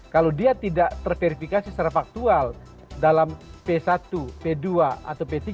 kalau dia tidak terverifikasi secara faktual dalam p satu p dua atau p tiga